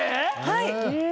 はい。